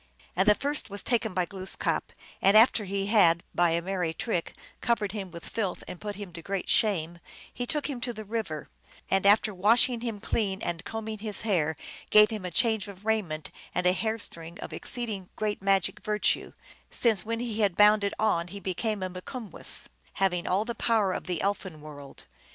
And the first was taken by Glooskap ; and after he had by a merry trick covered him with filth and put him to great shame, he took him to the river, and after washing ^him clean and combing his hair gave him a change of raiment and a hair string of exceeding great magic virtue, since when he had bound it on he became a Mikumwess, having all the power of the elfin world.